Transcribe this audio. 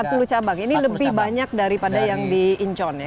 jadi empat puluh cabang ini lebih banyak daripada yang di incon ya